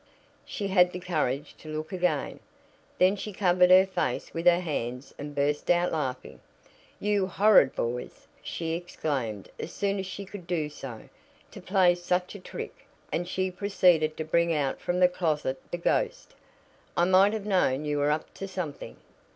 She had the courage to look again. Then she covered her face with her hands and burst out laughing. "You horrid boys!" she exclaimed as soon as she could do so. "To play such a trick!" and she proceeded to bring out from the closet the "ghost." "I might have known you were up to something!"